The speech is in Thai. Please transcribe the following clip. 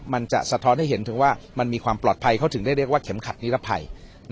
มันจะสะท้อนให้เห็นถึงว่ามันมีความปลอดภัยเขาถึงได้เรียกว่าเข็มขัดนิรภัย